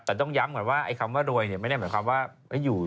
แต่ต้องย้ำเหมือนว่าไอคำว่ารวยเนี่ยไม่ได้เหมือนคำว่าอยู่